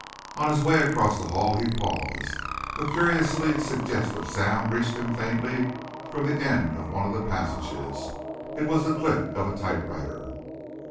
On his way across the hall he paused. A curiously suggestive sound reached him faintly from the end of one of the passages. It was the click of a typewriter.